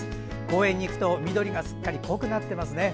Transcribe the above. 公園に行くと緑がすっかり濃くなっていますね。